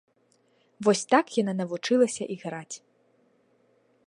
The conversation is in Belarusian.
Вось так яна навучылася іграць.